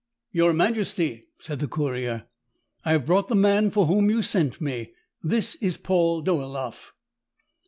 "Your majesty," said the courier, "I have brought the man for whom you sent me. This is Paul Dolaeff."